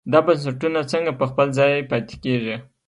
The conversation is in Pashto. دا بنسټونه څنګه په خپل ځای پاتې کېږي.